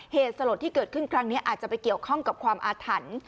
เหตุสลดที่เกิดขึ้นครั้งนี้อาจจะไปเกี่ยวข้องกับความอาถรรพ์